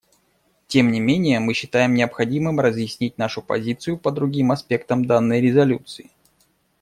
Тем не менее, мы считаем необходимым разъяснить нашу позицию по другим аспектам данной резолюции.